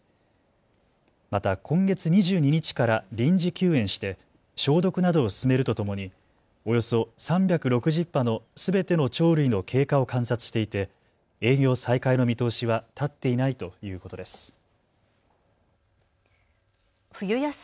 また今月２２日から臨時休園して消毒などを進めるとともにおよそ３６０羽のすべての鳥類の経過を観察していて営業再開の見通しは立っていないということです。